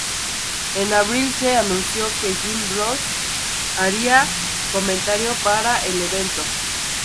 En abril, se anunció que Jim Ross haría comentario para el evento.